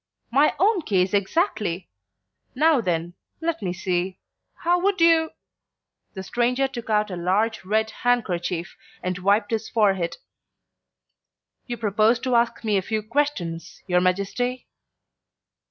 "My own case exactly. Now then, let me see how would you " The stranger took out a large red handkerchief and wiped his forehead. "You propose to ask me a few questions, your Majesty?"